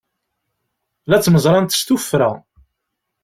La ttmeẓrant s tuffra.